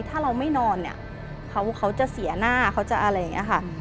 ถ้าเราไม่นอนเนี่ยเขาจะเสียหน้าเขาจะอะไรอย่างนี้ค่ะ